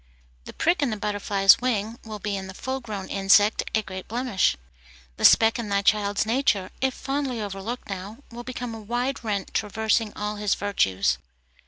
The prick in the butterfly's wing will be in the full grown insect a great blemish. The speck in thy child's nature, if fondly overlooked now, will become a wide rent traversing all his virtues.